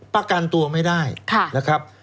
ประกันตัวไม่ได้นะครับ